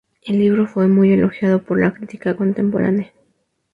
El libro fue muy elogiado por la crítica contemporánea.